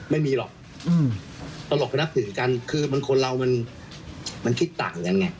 ไม่มีหรอกตลกไปนับถือกันคือมันคนเรามันคิดต่างกันไง